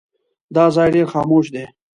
دا ځای ډېر خاموش دی.